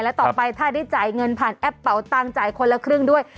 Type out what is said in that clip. และต่อไปถ้าได้จ่ายเงินผ่านแอปเป่าตังค์จ่ายคนละครึ่งด้วย